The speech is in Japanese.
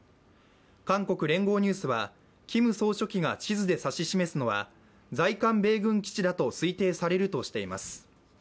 韓国聯合ニュースはキム総書記が地図で指し示すのは在韓米軍基地だと推定されるとしています。